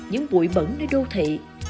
những bụi bẩn nơi đô thị